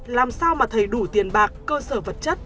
làm sao mà thầy đủ tiền bạc cơ sở vật chất